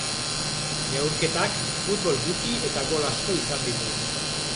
Neurketak futbol gutxi eta gol asko izan ditu.